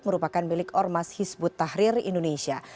merupakan milik ormas hizbut tahrir indonesia